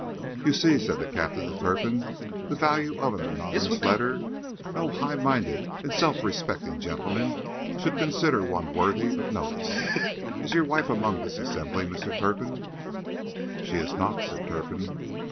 "You see," said the captain to Turpin, "the value of an anonymous letter! No high minded and self respecting gentleman should consider one worthy of notice. Is your wife among this assembly, Mr. Turpin?" "She is not," said Turpin.